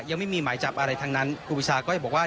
ยังไม่มีหมายจับอะไรทั้งนั้นครูปีชาก็จะบอกว่า